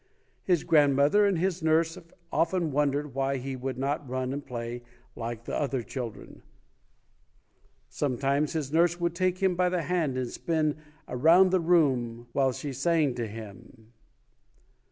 His grandmother and his nurse often wondered why he would not run and play like the other children. Sometimes his nurse would take him by the hand and spin around the room while she sang to him.